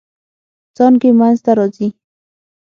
څانګې منځ ته راځي.